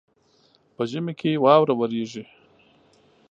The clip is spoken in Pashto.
په ژمي کي واوره وريږي.